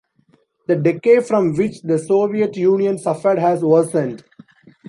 The decay from which the Soviet Union suffered has worsened.